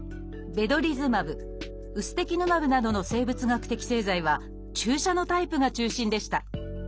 ベドリズマブウステキヌマブなどの生物学的製剤は注射のタイプが中心でした。